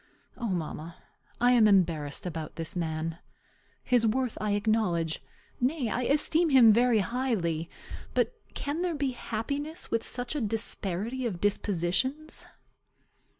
O mamma, I am embarrassed about this man. His worth I acknowledge; nay, I esteem him very highly. But can there be happiness with such a disparity of dispositions?